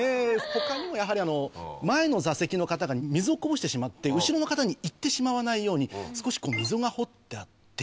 他にもやはり前の座席の方が水をこぼしてしまって後ろの方に行ってしまわないように少し溝が掘ってあって。